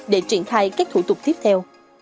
để triển khai các thủ tục tiếp theo